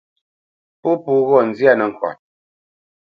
Pó po ghɔ̂ nzyâ nəŋkɔt.